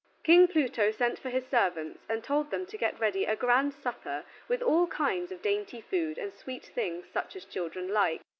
King Pluto sent for his servants and told them to get ready a grand supper with all kinds of dainty food and sweet things such as children like.